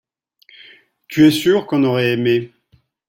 tu es sûr qu'on aurait aimé.